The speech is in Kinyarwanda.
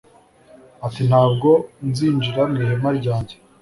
ati nta bwo nzinjira mu ihema ryanjye